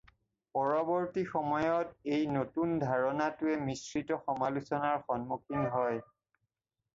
পৰৱৰ্তী সময়ত এই নতুন ধাৰণাটোৱে মিশ্ৰিত সমালোচনাৰ সমুখীন হয়।